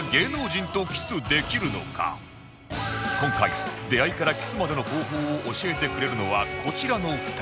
今回出会いからキスまでの方法を教えてくれるのはこちらの２人